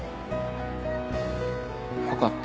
分かった。